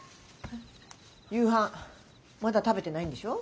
夕飯まだ食べてないんでしょ？